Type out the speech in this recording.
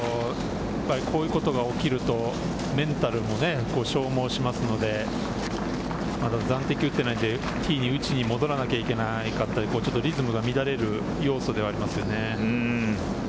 やっぱりこういうことが起きると、メンタルも消耗しますので、まだ暫定球を打っていないので、ティーに打ちに戻らなきゃいけなかったり、ちょっとリズムが乱れる要素ではありますよね。